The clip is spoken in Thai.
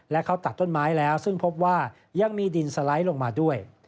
และเขาตัดต้นไม้แล้วซึ่งพบว่ายังมีดินสไลด์ลงมาด้วย